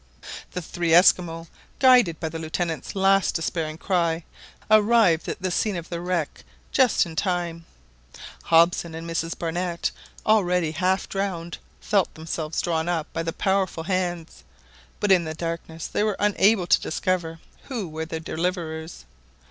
The three Esquimaux, guided by the Lieutenant's last despairing cry, arrived at the scene of the wreck joints in time. Hobson and Mrs Barnett, already half drowned, felt themselves drawn up by powerful hands; but in the darkness they were unable to discover who were their deliverers.